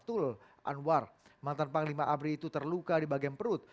betul anwar mantan panglima abri itu terluka di bagian perut